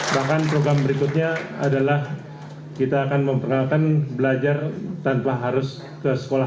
bahkan program berikutnya adalah kita akan memperkenalkan belajar tanpa harus ke sekolah